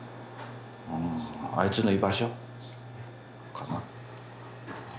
あいつの居場所かな。